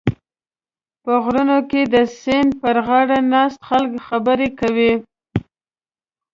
په غرونو کې د سیند پرغاړه ناست خلک خبرې کوي.